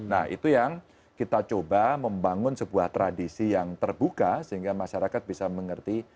nah itu yang kita coba membangun sebuah tradisi yang terbuka sehingga masyarakat bisa mengerti